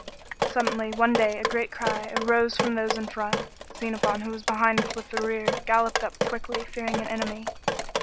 Suddenly, one day, a great cry arose from those in front. Xenophon, who was behind with the rear, galloped up quickly, fearing an enemy.